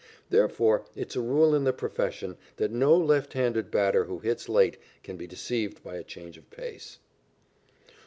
Therefore, it is a rule in the profession that no left handed batter who hits late can be deceived by a change of pace.